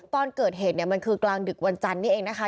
ตอนเกิดเหตุเนี่ยมันคือกลางดึกวันจันทร์นี่เองนะคะ